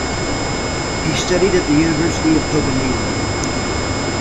He studied at the University of Copenhagen.